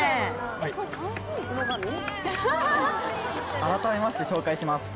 改めまして紹介します